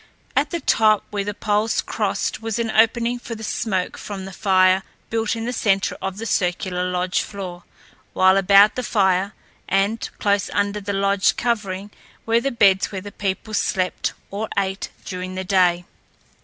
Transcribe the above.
At the top where the poles crossed was an opening for the smoke from the fire built in the centre of the circular lodge floor, while about the fire, and close under the lodge covering, were the beds where the people slept or ate during the day.